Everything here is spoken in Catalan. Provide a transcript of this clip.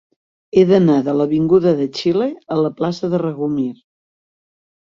He d'anar de l'avinguda de Xile a la plaça del Regomir.